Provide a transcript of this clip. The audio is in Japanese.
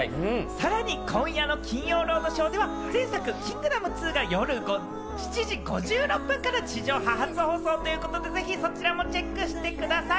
さらに今夜の『金曜ロードショー』では前作『キングダム２』が夜７時５６分から地上波初放送ということで、ぜひそちらもチェックしてください。